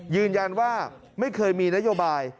ยืนยันว่าไม่เคยมีนโยบาย